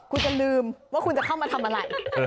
คุณจะลืมว่าคุณจะเข้ามาทำอะไร